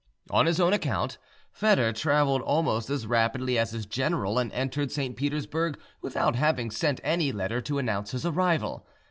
On his own account, Foedor travelled almost as rapidly as his general, and entered St. Petersburg without having sent any letter to announce his arrival.